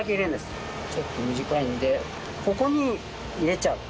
ちょっと短いのでここに入れちゃう。